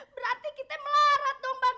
berarti kita melarat dong bang